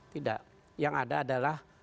tidak yang ada adalah